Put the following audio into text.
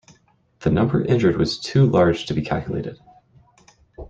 The number injured was too large to be calculated.